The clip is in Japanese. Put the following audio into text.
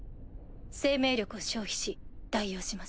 生命力を消費し代用します。